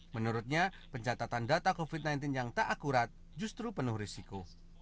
menurutnya pencatatan data covid sembilan belas yang tak akurat justru penuh risiko